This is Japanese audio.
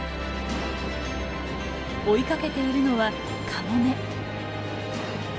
追いかけているのはカモメ。